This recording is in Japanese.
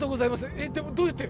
えっでもどうやって？